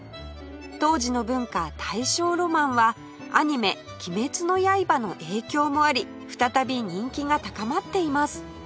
当時の文化大正浪漫はアニメ『鬼滅の刃』の影響もあり再び人気が高まっています